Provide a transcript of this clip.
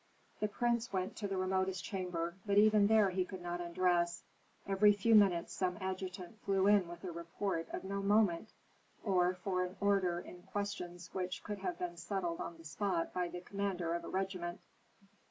The prince went to the remotest chamber, but even there he could not undress. Every few minutes some adjutant flew in with a report of no moment, or for an order in questions which could have been settled on the spot by the commander of a regiment.